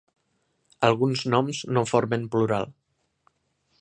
Alguns noms no formen plural.